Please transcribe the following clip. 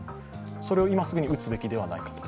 それを今すぐに打つべきではないかと。